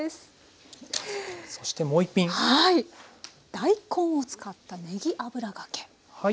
大根を使ったねぎ油がけ。